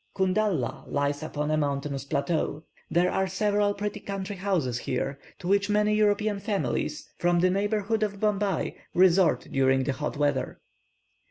Kundalla lies upon a mountain plateau. There are several pretty country houses here, to which many European families, from the neighbourhood of Bombay, resort during the hot weather.